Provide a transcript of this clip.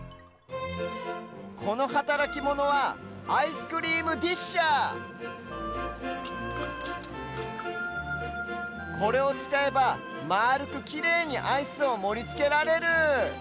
このはたらきモノはアイスクリームディッシャーこれをつかえばまあるくきれいにアイスをもりつけられる。